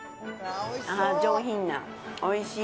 あー、上品な、おいしい。